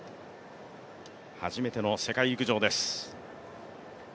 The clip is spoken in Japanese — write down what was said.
初めての世界陸上です。